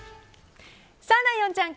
ライオンちゃん